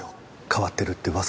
変わってるって噂。